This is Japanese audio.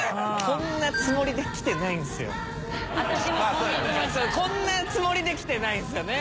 こんなつもりで来てないんですよね。